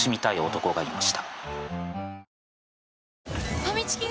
ファミチキが！？